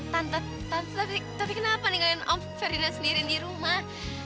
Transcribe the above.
tante tante tapi kenapa ninggalin om ferdinand sendiri di rumah